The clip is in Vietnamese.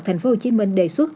tp hcm đề xuất